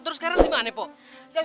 terus sekarang dimana pak